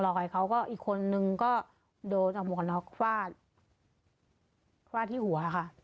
แล้วอีกคนนึงก็โดดออกมาเบาะทิเช่นประตูหัว